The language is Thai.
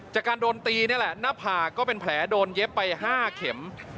จากการโดนตีนี่แหละหน้าผากก็เป็นแผลโดนเย็บไป๕เข็ม